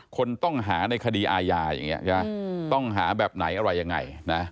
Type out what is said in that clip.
คนต้องหาในคดีอาญาอย่างนี้ใช่ไหมต้องหาแบบไหนอะไรยังไงนะ